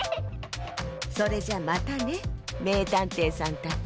それじゃまたねめいたんていさんたち。